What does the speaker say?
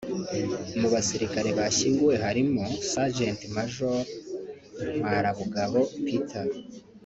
Mu basirikare bashyinguwe harimo Sgt Major Ntwarabugabo Peter